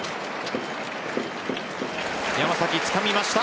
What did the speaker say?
山崎、つかみました。